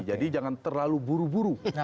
jadi jangan terlalu buru buru